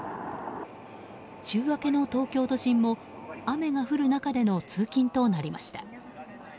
週明けの東京都心も雨が降る中での通勤となりました。